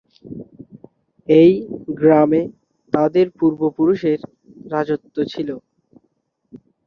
এই গ্রামে তাদের পূর্বপুরুষের রাজত্ব ছিল।